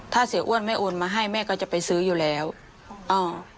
ถ้าเสียอ้วนไม่โอนมาให้แม่ก็จะไปซื้ออยู่แล้วอ่า